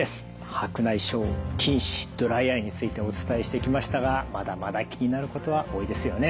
白内障近視ドライアイについてお伝えしてきましたがまだまだ気になることは多いですよね。